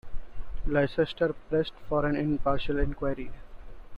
Leicester pressed for an impartial inquiry.